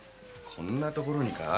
こんなところにか？